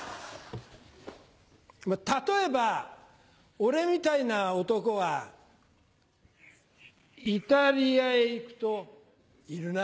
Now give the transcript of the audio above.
例えば俺みたいな男はイタリアへ行くといるな。